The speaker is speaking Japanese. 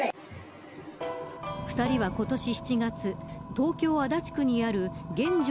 ２人は今年７月東京・足立区にある現状